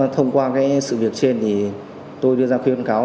thông qua cái sự việc trên thì tôi đưa ra khuyên cáo